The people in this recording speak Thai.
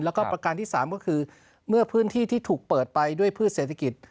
แล้วก็ประการที่๓ก็คือเมื่อพื้นที่ที่ถูกเปิดไปด้วยพืชเศรษฐกิจ